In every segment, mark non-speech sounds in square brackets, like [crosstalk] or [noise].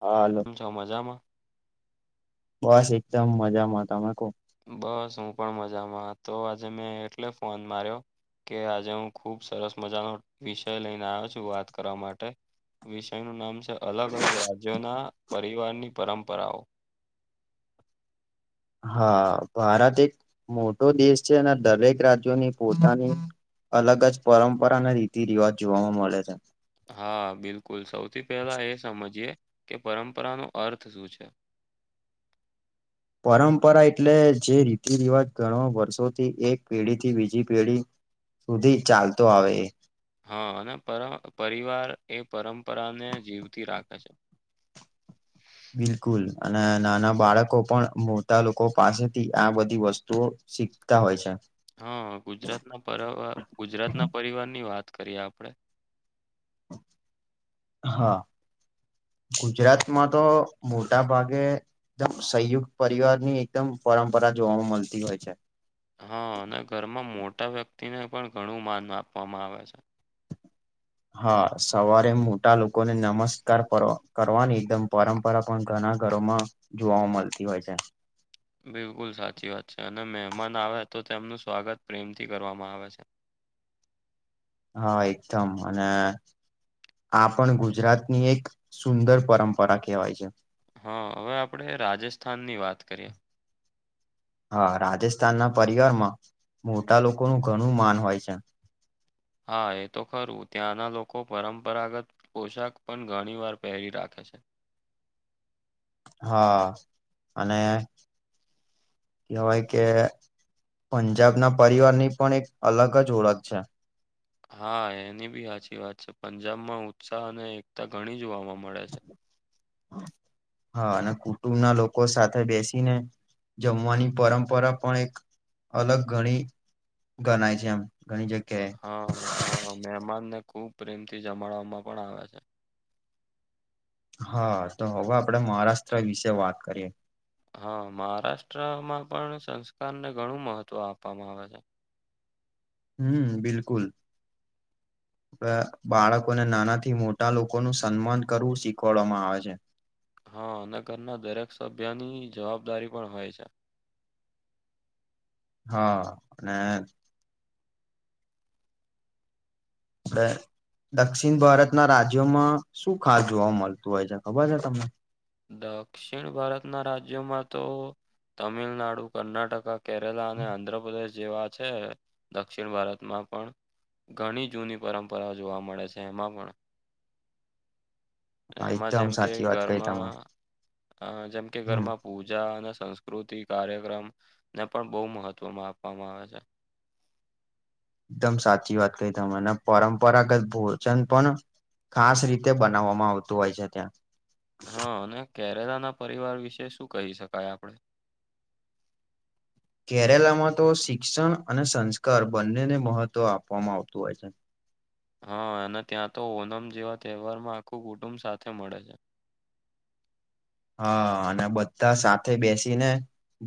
હા હાલો જાવામાંજમાં બસ એકદમ મજામાં તમે કહ બસ હું પણ મજામાં તો આજે મેં એટલે ફોન માર્યો કે આજે હું ખુબ સરસ મજાનો વિષય લઈને આવ્યો છું વાત કરવા માટે વિષયનું નામ છે અલગ અલગ રાજ્યોના પરિવારની પરંપરાઓ-' હા ભારત એક મોટો દેશ છે અને દરેક રાજ્યોની પોતાની અલગ જ પરંપરા અને રીતિ રિવાજ જોવા મળે છે. હા બિલકુલ સૌથી પહેલા એ સમજીએ કે પરંપરા ન અર્થ શું છે. પરંપરા એટલે જે રીતિ રિવાજ ઘણો વર્ષોથી એક પેઢી થી બીજી પેઢી સુધી ચાલતો આવે હા અને પર પરિવાર એ પરંપરાને જીવતી રાખે છે. બિલકુલ અને નાના બાળકો પણ મોટા લોકો પાસેથી આ બધી વસ્તુઓ શીખતા હોય છે. હા ગુજરાતના પરર ગુજરાતના પરિવાર ની વાત કરીએ આપડે હા ગુજરાતમાં તો મોટા ભાગે એકદમ સંયુક્ત પરિવાર. ની એકદમ પરંપરા જોવા મળતી હોય છે હા અને ઘરમાં મોટા વ્યક્તિને પણ ઘણું માન આપવામાં આવે છે. હા સવારે મોટા લોકોને નમસ્કાર કરવાની એકદમ પરમ રા પણ ઘણા ઘરોમાં જોવાઓ મળતી હોય છે. બિલકુલ સાચી વાત છે અને મહેમાન આવે તો તેમનું સ્વાગત પ્રેમથી કરવામાં આવે છે. હા એકદમ અને આ પણ ગુજરાતની એક સુંદર પરંપરા કહેવાય છે. હા હવે આપણેે રાજસ્થાનની વાત કરીયએ હા રાજસ્થાન ના પરિવારમાં મોટા લોકો નું ઘણું માન હોય છે. હા એ તો ખરું ત્યાંના લોકો પરંપરાગત-' પોશાક પણ ઘણી વાર પહેરી રાખે છે. હા અને કેવાય કે પંજાબ ના પરિવાર ની પણ એક અલગ જ ઓળખ છે. હા એની બી સાચી વાત છે પંજાબમાં ઉત્સાહ અને એકતા ઘણી જોવાવામાં મળે છે. હા અને કુટુંબ ના લોકો સાથે બેસીને જમવાની પરંપરા પણ એક અલગ ગણી ગણાય છે એમ ઘણી જગ્યા હા હ હા મહેમાન ને ખુબ પ્રેમથી જમાડવામાં પણ આવે છે. હા તો હવે આપડે મહારાષ્ટ્ર વિશે વાત કરીએે હા મહારાષ્ટ્રમાં પણ સંસ્કારને ઘણું મહત્વ આપવામાં આવે છે. હમ બિલકુલ [inaudible] બાળકોને નાના થી મોટા લોકો નું સન્માન કરવું શીખવાડવામાં આવે છે. હા અને ઘરના દરેક સભ્યની જવાબદારી પણ હોય છે. હા અને આપ દક્ષિણ ભારત ના રાજ્યોમાં શું ખા જોવા મળતું હોય છે ખબર છે તમને દક્ષિણ ભારતના રાજ્યોમાં તો તમિલનાડુ કર્ણાટકા કેરલા અને આંધ્રપ્રદેશ જેવા છે દક્ષિણ ભારતમાં પણ ઘણી જૂની પરંપરાઓ જોવા મળે છે એમાં પણ હા એમાં એકદમ જેમ કે સાચી વાત કહી તમે ઘરમાં જેમ કે હમ ઘરમાં પૂજા અને સંસ્ સંકૃતિ કાર્યક્રમ ને પણ બહુ મહત્વમાં આપવામાં આવે છે એકદમ સાચી વાત કહી તમેને પરંપરાગત ભોજન પણ ખાસ રીતે બનાવવામાં આવતું હોય છે ત્યાં હા અને કેરેલા ના પરિવાર વિશે શું કહી શકાય આપડ કેરેલામાં તો શિક્ષણ અને સંસ્કાર બંનેને મહત્વ આપવામાં આવતું હોય છે હા અને ત્યાં તો ઓનમ જેવા તહેવાર માં આખું કુટુંબ સાથે મળે છે હા અને બધા સાથે બેસીને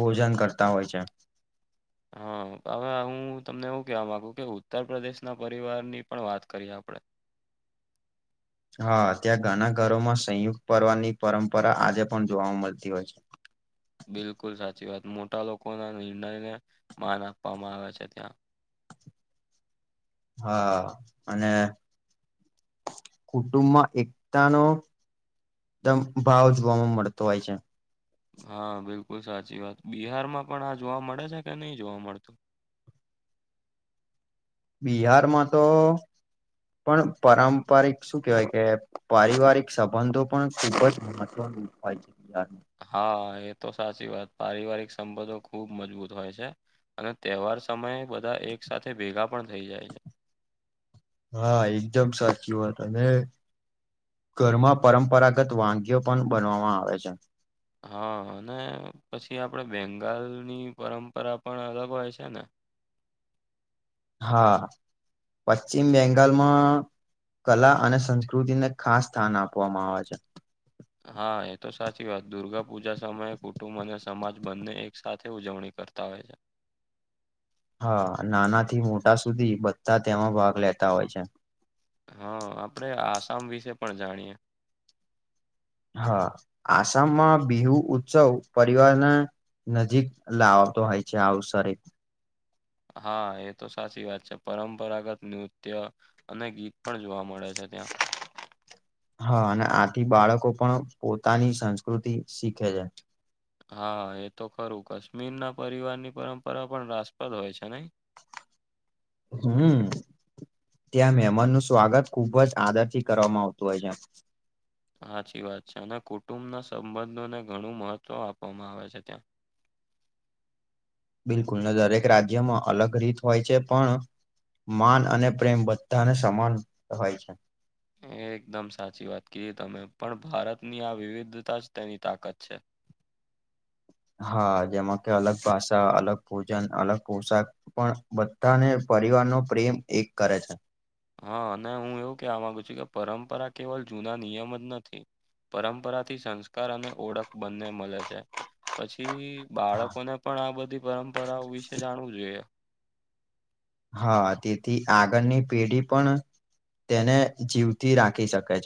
ભોજન કરતા હોય છે હા હવે હું તમને એવું કેવા મામાંગુ કે ઉત્તર પ્રદેશ ના પરિવારની પણ વાત કરીએ આપણેે હા ત્યાં ઘણા ઘરોમાં સંયુક્ત પર્વોની પરંપરા આજે પણ જોવા મળતી હોય છે બિલકુલ સાચી વાત મોટા લોકો ના નિર્ણયને માન આપવામાં આવે છે ત્યાં હા અને કુટુંમમાં એકતાનો એકદમ ભાવ જોવાવામાં મળતો હોય છે હા બિલકુલ સાચી વાત બિહારમાં પણ આ જોવા મળે છે કે નહી જોવા મળતું બિહારમાં તો પણ પારંપારિક શું કેવાય કે પારિવારિક સંબંધો પણ ખુબ જ મહત્વ થાય છે બહ હા એ તો સાચી વાત પારિવારિક સંબંધો ખૂબ મજબૂત હોય છે અને તહેવાર સમયે બધા એક સાથે ભેગા પણ થઇ જાય છે હા એકદમ સાચી વાત અને ઘરમાં પરંપરાગત વાનગીઓ પણ બનવામાં આવે છે હા અને પછી આપડે બેંગાલની પરંપરા પણ અલગ હોય છે ને હા પશ્ચિમ બેંગાલમાં કલા અને સંસ્કૃતિને ખાસ સ્થાન આપવામાં આવે છે હા એ તો સાચી વાત દુર્ગા પૂજા સમયે કુટુંબ અને સમાજ બંને એક સાથે ઉજવણી કરતા ત વે હા નાના થી મોટા સુધી બધા જ તેમાં ભાગ લેતા હોય છે હા આપડે આ સાંભળી છે પણ વિશે જાણીયએ હા આસામમાં બિહુ ઉત્સવ પરિવારના નજીક લાવતો હોય છે આવુંસર હા એ તો સાચી વાત છે પરંપરાગત નૃત્ય અને ગીત પણ જોવા મળે છે જ ત્યાં હા અને આથી બાળકો પણ પોતાની સંસ્કૃતિ શીખે છે હા એ તો ખરું કાશ્મીર ના પરિવારની પરંપરા પણ રાસપ્રદ હોય છે હમ ત્યાં મહેમાન નું સ્વાગત ખુબ જ આદર થી કરવામાં આવતું હોય છે સાચી વાત છે અને કુટુંબના સંબંધોને ઘણું મહત્વ આપવામાં આવે છે બિલકુલ ને દરેક રાજ્યમાં અલગ રીત હોય છે પણ માન અને પ્રેમ બધાને સમાન હોય છે એ એકદમ સાચી વાત કીધી તમે પણ ભારતની આ વિવિધતા જ તેની તાકાત છે હા જેમાં કે અલગ ભાષા અલગ ભોજન અલગ પોશાક પણ બધાને પરિવાર નો પ્રેમ એક કરે છે હા અને હું એવું કહેવા માંગુ છું કે પરંપરા કેવલ જૂના નિયમ જ નથી પરંપરાથી સંસ્કાર અને ઓળખ બંને મળે છે પછી બાળકોને પણ આ બધી પરંપરાઓ વિશે જાણવું જોઈએ હા તેથી આગળની પેઢી પણ તેને જીવથી રાખી શકે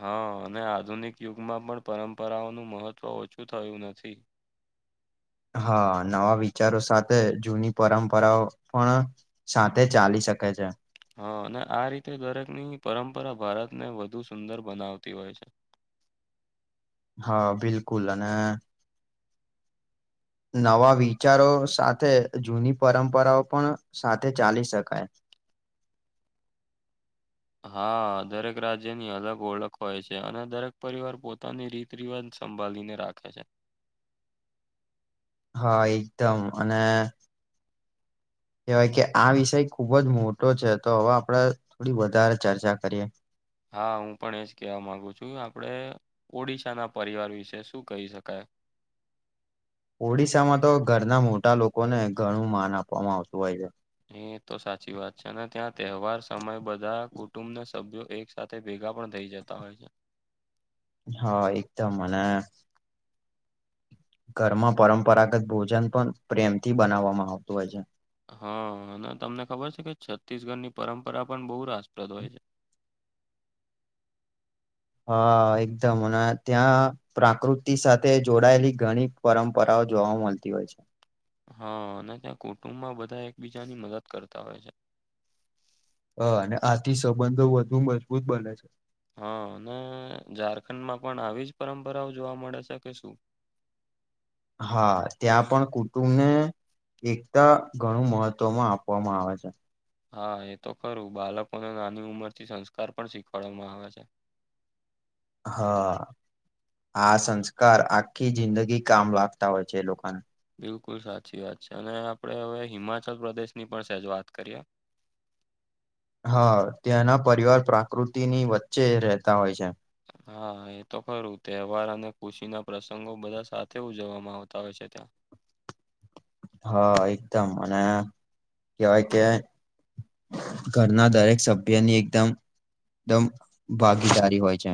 હા અને આધુનિક યુગમાં પણ પરંપરાઓનું મહત્ત્વ ઓછું થયું નથી હા નવા વિચારો સાથે જૂની પરંપરાઓ પણ સાથે ચાલી શકે છે હા અને આ રીતે દરેકની પરંપરા ભારતને વધુ સુંદર બનાવતી હોય છે હા બિલકુલ અને નવા વિચારો સાથે જૂની પરંપરાઓ પણ સાથે ચાલી શકાય હા દરેક રાજ્યની અલગ ઓળખ હોય છે અને દરેક પરિવાર પોતાની રીત જીવન સંભાળીને રાખે છે હા એકદમ અને કેવાય કે આ વિષય ખુબ જ મોટો છે તો હવે આપડે થોડી વધારે ચર્ચા કરીએ હા હું પણ એજ કહેવા માગુ છું આપણે ઓડિશાના પરિવાર વિશે શું કહી શકાય ઓડિશામાં તો ઘરના મોટા લોકોને ઘણું માન આપવામાં આવતું હોય છે એ તો સાચી વાત છે અને ત્યાં તહેવાર સમય બધા કુટુંબના સભ્યો એક સાથે ભેગા પણ થઇ જતા જતા હોય છે હા એકદમ અને ઘરમાં પરંપરાગત ભોજન પણ પ્રેમથી બનાવવામાં આવતું હોય હા અને તમને ખબર છે કે છત્તીસગઢ ની પરંપરા પણ બહુ રાષ્ટ્રપદ હોય છે હા એકદમ અને ત્યાં પ્રાકૃતિ સાથે જોડાયેલી ઘણી પરંપરાઓ જોવા મળતી હોય છે હા અને ત્યાં કુટુંબમાં બધા એકબીજાની મદદ કરતા હોય છે હા અને આથી સંબંધો વધુ મજબૂત બને છે હા અને ઝારખંડમાં પણ આવી જ પરંપરાઓ જોવા મળે છે કે શું હા ત્યાં પણ કુટુંબ ને એકતા ઘણું મહત્વમાં આપવામાં આવે છે હા એ તો ખરું બાળકોને નાની ઉંમર થી સંસ્કાર પણ શીખવાડવામાં આવે છે હા આ સંસ્કાર આખી જિંદગી કામ લગતા હોય છે એ લોકોને બીલકુલ સાચી વાત છે અને આપણે હવે હિમાચલ પ્રદેશ ની પણ સેજ વાત કરીએ હા ત્યાંના પરિવાર પ્રકૃતિની વચ્ચે રહેતા હોય છે હા એ તો ખરું તહેવાર અને ખુશી ના પ્રસંગો બધા સાથે ઉજવવામાં આવતા હોય છે ત્યાં હા એકદમ અને કેવાય કે ઘરના દરેક સભ્યની એકદમ એકદમ ભાગીદારી હોય છે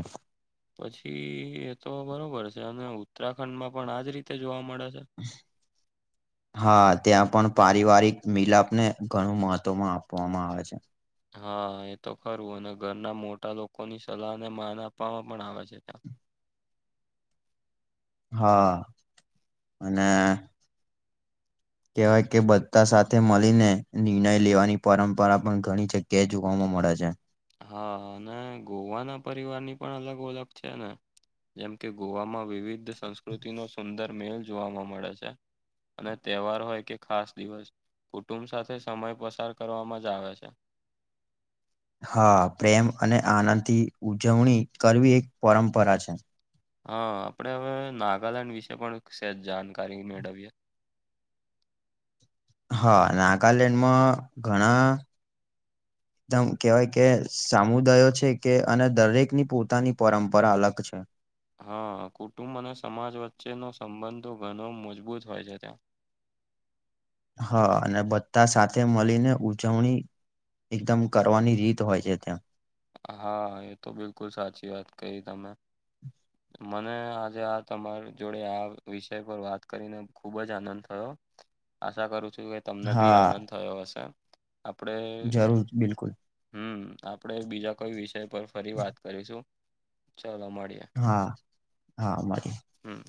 પછી એ તો બરોબર છે અને ઉત્તરાખંડમાં પણ આજ રીતે જોવા મળે છે હમ હા ત્યાં પણ પારીવારિક મીલાપને ઘણું મહત્વમાં આપવામાં આવે છે હા એ તો ખરું અને ઘરના મોટા લોકોની સલાહને માન આપવામાં પણ આવે છે ત્યાં હા અને કહેવાય કે બધા સાથે મળીને નિર્ણય લેવાની પરંપરા પણ ઘણી જગ્યા જોવામાં મળે છે હા અને ગોવાના પરિવારની પણ અલગ ઓળખ છે ને જેમ કે ગોવામાં વિવિધ સંસ્કૃતિનો સુંદર મેલ જોવામાં મળે છે અને તહેવાર હોય કે ખાસ દિવસ કુટુંબ સાથે સમય પસાર કરવામાં જ આવે છે હા પ્રેમ અને આનંદથી ઉજવણી કરવી એક પરંપરા છે હા આપણે હવે નાગાલેન્ડ વિશે પણ સેજ જાણકારી મેળવીએ હા નાગાલેન્ડમાં ઘણા [inaudible] એકદમ કહેવાય કે સામુદયો છે કે અને દરેકની પોતાની પરંપરા અલગ છે હા કુટુંબ અને સમાજ વચ્ચેનો સંબંધો ઘણો મજબૂત હોય છે ત્યાં હા અને બધા સાથે મળીને ઉજવણી એકદમ કરવાની રીત હોય છે ત્યાં હા એ તો બિલકુલ સાચી વાત કહી તમે મને આજે આ તમારી જોડે આ વિષય પર વાત કરીને ખુબ જ આનંદ થયો. આશા કરું છું કે તમને બી હા આનંદ થયો હશે આપણે જરૂર બિલકુલ હમ આપડે બીજા કોઈ વિષય પર ફરી વાત કરીશું ચાલો મળીએે હા હા મળીએ હમ